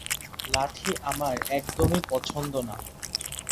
লাঠি আমার একদমই পছন্দ না?